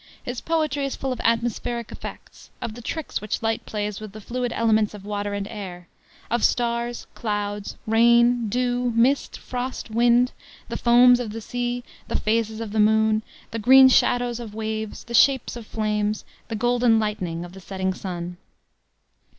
His poetry is full of atmospheric effects; of the tricks which light plays with the fluid elements of water and air; of stars, clouds, rain, dew, mist, frost, wind, the foam of seas, the phases of the moon, the green shadows of waves, the shapes of flames, the "golden lightning of the setting sun."